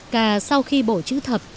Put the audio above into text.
cà sau khi bổ chữ thập